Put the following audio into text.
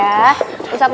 ustazah insya allah udah ya